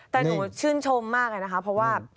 แต่หนูชื่นชมมากอะนะคะเพราะว่า